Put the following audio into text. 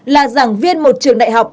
là giảng viên một trường đại học